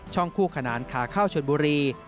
ช่องคู่ขนานคาเข้าชนบุรี